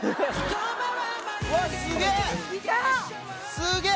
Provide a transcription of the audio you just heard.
すげえ！